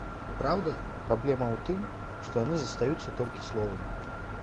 Праўда, праблема ў тым, што яны застаюцца толькі словамі.